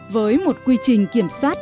với một quy trình kiểm soát